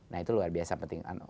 nah itu luar biasa penting